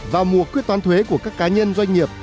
vào mùa quyết toán thuế của các cá nhân doanh nghiệp